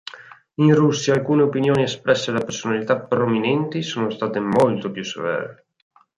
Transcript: In Russia alcune opinioni espresse da personalità prominenti sono state molto più severe.